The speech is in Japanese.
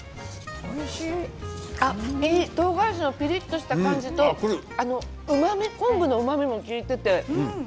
とうがらしのピリっとした感じと昆布のうまみも利いていて。